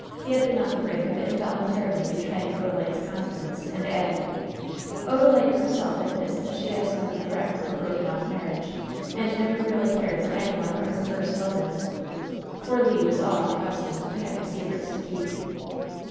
He had been on the brink of involuntarily betraying Odalite's confidence and adding: "Odalite herself admits that she has no regret for her broken off marriage, and never really cared for any one but her first lover;" for Le was all unaccustomed to having secrets to keep.